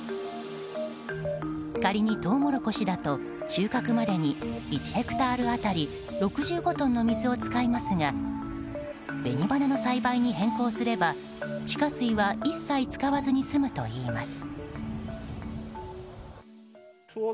仮にトウモロコシだと収穫までに、１ヘクタール当たり６５トンの水を使いますが紅花の栽培に変更すれば、地下水は一切使わずに済むといいます。